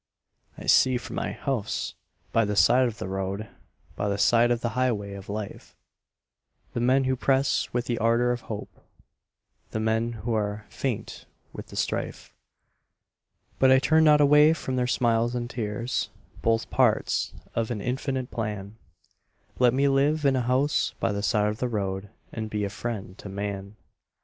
I see from my house by the side of the road By the side of the highway of life, The men who press with the ardor of hope, The men who are faint with the strife, But I turn not away from their smiles and tears, Both parts of an infinite plan Let me live in a house by the side of the road And be a friend to man.